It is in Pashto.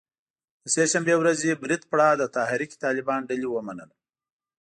د سه شنبې ورځې برید پړه د تحریک طالبان ډلې ومنله